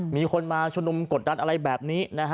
มีคนมาชนมกดดันอะไรแบบนี้